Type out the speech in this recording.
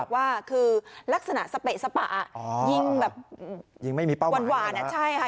ว่าคือลักษณะสเปะสปะยิงแบบยิงไม่มีเป้าหวานอ่ะใช่ค่ะ